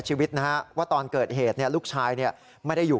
ชีวิตนะฮะว่าตอนเกิดเหตุเนี่ยลูกชายไม่ได้อยู่